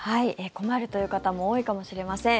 困るという方も多いかもしれません。